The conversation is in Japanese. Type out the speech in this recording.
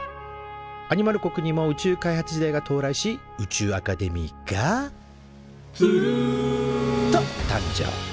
アニマル国にも宇宙開発時代が到来し宇宙アカデミーが「つるん」と誕生。